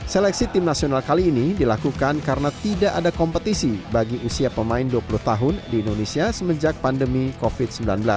seleksi tim nasional kali ini dilakukan karena tidak ada kompetisi bagi usia pemain dua puluh tahun di indonesia semenjak pandemi covid sembilan belas